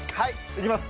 いきます。